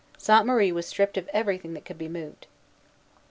Sainte Marie was stripped of everything that could be moved.